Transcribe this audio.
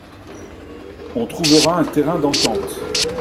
On trouvera un terrain d’entente.